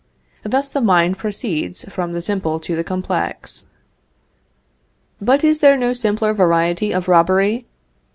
Thus the mind proceeds from the simple to the complex. But is there no simpler variety of robbery?